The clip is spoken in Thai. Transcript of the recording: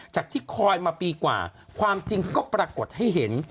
ที่คอยมาปีกว่าความจริงก็ปรากฏให้เห็น